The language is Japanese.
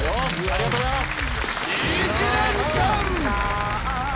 ありがとうございます。